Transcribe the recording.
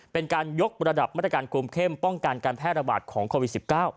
เป็นการยกระดับมาตรการคุมเข้มป้องกันการแพร่ระบาดของโควิด๑๙